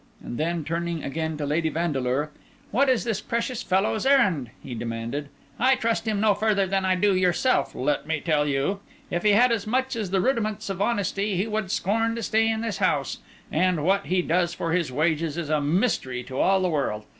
And then, turning again to Lady Vandeleur, "What is this precious fellow's errand?" he demanded. "I trust him no further than I do yourself, let me tell you. If he had as much as the rudiments of honesty, he would scorn to stay in this house; and what he does for his wages is a mystery to all the world.